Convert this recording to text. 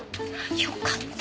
よかった。